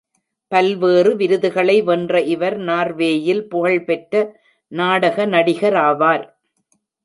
பல்வேறு விருதுகளை வென்ற இவர், நார்வேயில் புகழ்பெற்ற நாடக நடிகராவார்.